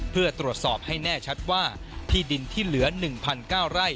เพื่อตรวจสอบให้แน่ชัดว่าที่ดินที่เหลือ๑๙ไร่